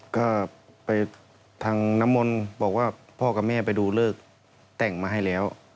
ก็ไปทางน้ำมนต์บอกว่าพ่อกับแม่ไปดูเลิกแต่งมาให้แล้ว